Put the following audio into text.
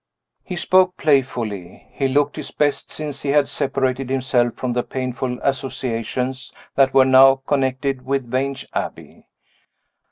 He spoke playfully he looked his best, since he had separated himself from the painful associations that were now connected with Vange Abbey.